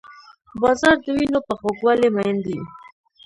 باز د وینو په خوږوالي مین دی